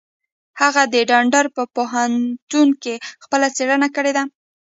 هغه د ډنور په پوهنتون کې خپله څېړنه کړې ده.